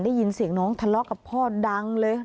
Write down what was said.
ได้ยินเสียงน้องทะเลาะกับพ่อดังเลย